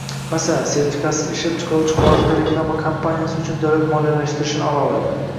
Masalan, sertifikatsiz ishlab chiqaruvchi xorijda reklama kampaniyasi uchun davlat moliyalashtirishini ololadi.